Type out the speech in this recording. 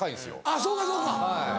あぁそうかそうか。